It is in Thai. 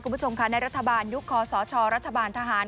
คุณผู้ชมค่ะในรัฐบาลยุคคอสชรัฐบาลทหาร